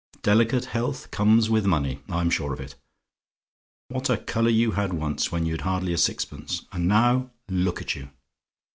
Delicate health comes with money: I'm sure of it. What a colour you had once, when you'd hardly a sixpence; and now, look at you!